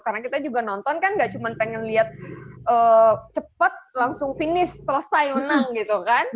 karena kita juga nonton kan gak cuma pengen lihat cepat langsung finish selesai menang gitu kan